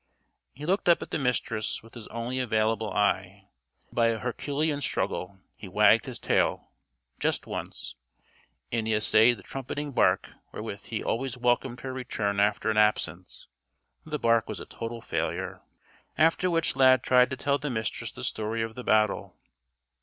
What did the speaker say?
He looked up at the Mistress with his only available eye. By a herculean struggle he wagged his tail just once. And he essayed the trumpeting bark wherewith he always welcomed her return after an absence. The bark was a total failure. After which Lad tried to tell the Mistress the story of the battle.